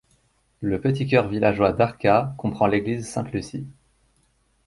Le petit cœur villageois d'Arca comprend l'église Sainte-Lucie.